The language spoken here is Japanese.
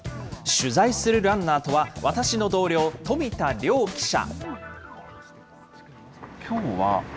取材するランナーとは私の同僚、富田良記者。